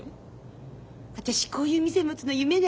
「私こういう店持つの夢なんです。